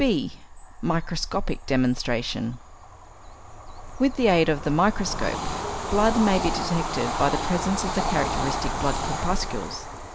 (b) =Microscopic Demonstration.= With the aid of the microscope, blood may be detected by the presence of the characteristic blood corpuscles.